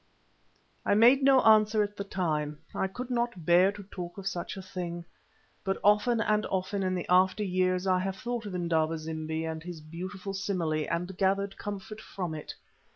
I made no answer at the time. I could not bear to talk of such a thing. But often and often in the after years I have thought of Indaba zimbi and his beautiful simile and gathered comfort from it.